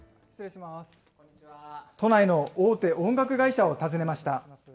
都内の大手音楽会社を訪ねました。